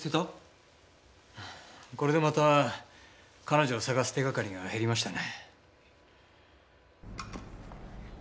これでまた彼女を捜す手がかりが減りましたね。